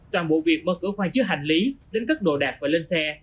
toàn bộ việc mở cửa khoang chứa hành lý đến cất đồ đạp và lên xe